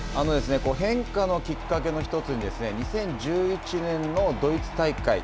変化のきっかけの１つに、２０１１年のドイツ大会。